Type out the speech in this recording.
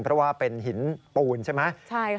เพราะว่าเป็นหินปูนใช่ไหม